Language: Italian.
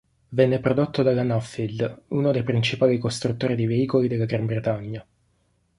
Venne prodotto dalla Nuffield, uno dei principali costruttori di veicoli della Gran Bretagna.